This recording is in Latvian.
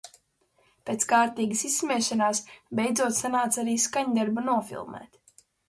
Pēc kārtīgas izsmiešanās, beidzot sanāca arī skaņdarbu nofilmēt.